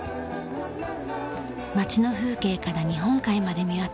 町の風景から日本海まで見渡せる高台。